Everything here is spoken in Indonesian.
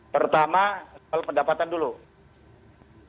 pertama soal pendapatan dulu